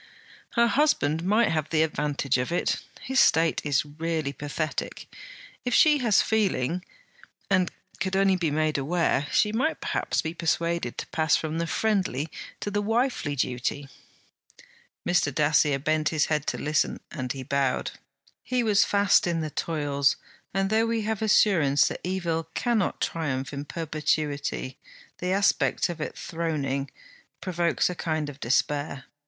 'Her husband might have the advantage of it. His state is really pathetic. If she has feeling, and could only be made aware, she might perhaps be persuaded to pass from the friendly to the wifely duty.' Mr. Dacier bent his head to listen, and he bowed. He was fast in the toils; and though we have assurance that evil cannot triumph in perpetuity, the aspect of it throning provokes a kind of despair.